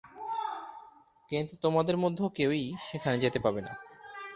কিন্তু তোমাদের মধ্যে কেউই সেখানে যেতে পাবে না।